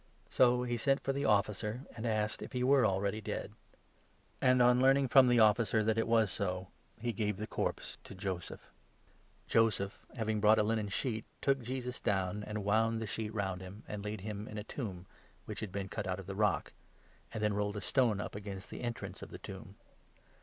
So 44 he sent for the Officer, and asked if he were already dead ; and, 45 on learning from the Officer that it was so, he gave the corpse » Ps. a». 7. 34 Ps. it. i. *» Ps. 69. ai. » Wi»d. of Sol. a. 18, MARK, 15 16. 39 to Joseph. Joseph, having bought a linen sheet, took Jesus 46 down, and wound the sheet round him, and laid him in a tomb which had been cut out of the rock ; and then rolled a stone up against the entrance of the tomb.